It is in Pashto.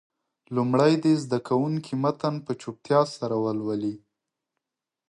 لومړی دې زده کوونکي متن په چوپتیا سره ولولي.